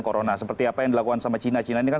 corona seperti apa yang dilakukan sama cina cina ini kan